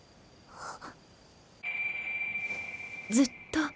あっ！